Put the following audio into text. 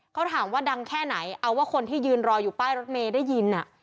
เขาถามว่าดังแค่ไหนเอาว่าคนที่ยืนรออยู่ป้ายรถเมย์ได้ยิน